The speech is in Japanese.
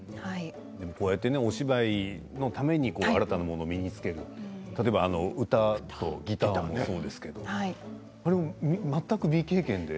お芝居のために新たなものを身につける例えば、ギターと歌もそうですけれども全く未経験で。